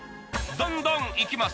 どんどんいきます。